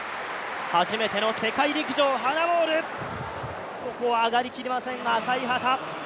初めての世界陸上、ハナ・モール、ここは上がり切りませんが。